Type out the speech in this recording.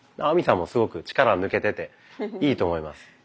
亜美さんもすごく力抜けてていいと思います。